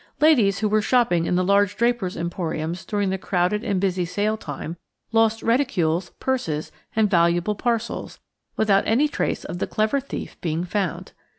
Ladies who were shopping in the large drapers' emporiums during the crowded and busy sale time, lost reticules, purses, and valuable parcels, without any trace of the clever thief being found.